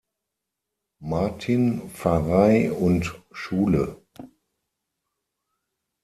Martin, Pfarrei und Schule.